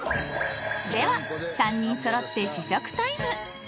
では３人そろって試食タイム。